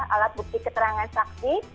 alat bukti keterangan saksi